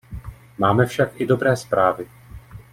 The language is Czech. Máme však i dobré zprávy.